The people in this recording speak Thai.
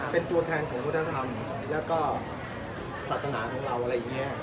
เป็นตัวแทนของทศธรรมและก็ศาสนาของเรา